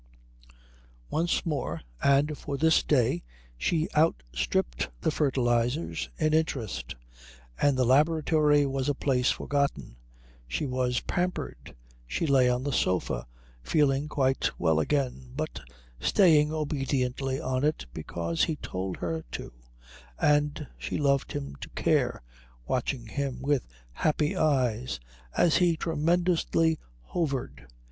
Once more and for this day she outstripped the fertilizers in interest, and the laboratory was a place forgotten. She was pampered. She lay on the sofa, feeling quite well again, but staying obediently on it because he told her to and she loved him to care, watching him with happy eyes as he tremendously hovered.